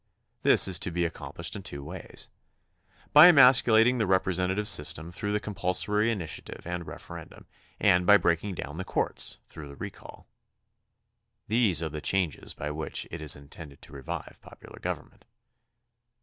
This is to be accomplished in two ways: by emasculating the representative system through the compulsory initiative and referendum and by breaking down the courts through the recall. These are the changes by which it is intended to revive popular government.